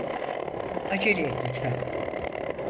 Acele et lütfen.